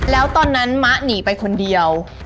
แล้วตอนนั้นมะหนีไปคนเดียว